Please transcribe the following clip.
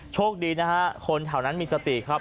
โชคดีนะฮะคนแถวนั้นมีสติครับ